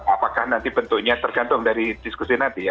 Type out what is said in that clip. apakah nanti bentuknya tergantung dari diskusi nanti ya